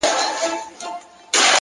درته خبره كوم’